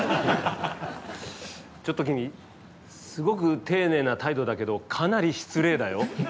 ちょっと、君すごく丁寧な態度だけどかなり失礼だよ。